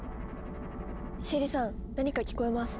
シエリさん何か聞こえます。